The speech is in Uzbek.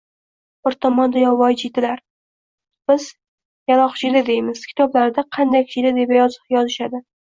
Bir tomonda yovvoyi jiydalar. Biz yaloqjiyda deymiz, kitoblarda qandak jiyda deb ham yozishadi.